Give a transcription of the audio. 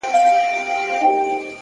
له نننۍ هڅې سبا جوړېږي.!